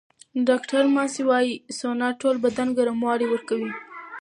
ډاکټره ماسي وايي، سونا ټول بدن ګرموالی ورکوي.